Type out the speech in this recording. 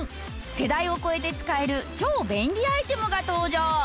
世代を超えて使える超便利アイテムが登場。